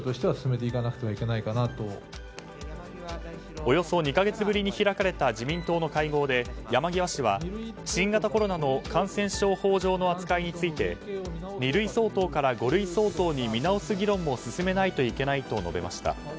およそ２か月ぶりに開かれた自民党の会合で山際氏は新型コロナの感染症法上の扱いについて二類相当から五類相当に見直す議論も進めないといけないと述べました。